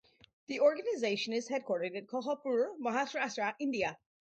The organization is headquartered at Kolhapur, Maharashtra, India.